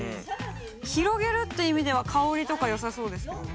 広げるって意味では「香」とかよさそうですけどね。